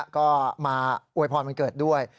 ก็มาอวยพรวันเกิดด้วย